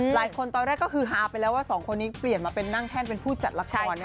ตอนแรกก็คือฮาไปแล้วว่าสองคนนี้เปลี่ยนมาเป็นนั่งแท่นเป็นผู้จัดละคร